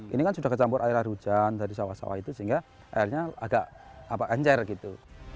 ini kan sudah kecampur air hujan dari sawah sawah itu sehingga airnya agak encer gitu